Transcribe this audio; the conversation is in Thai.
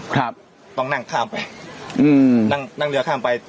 ครับต้องนั่งข้ามไปอืมนั่งนั่งเรือข้ามไป